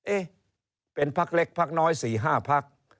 เอ๊ะเป็นพักเล็กพักน้อย๔๕พัก